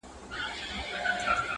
لا هم په ډېرو وزارتونو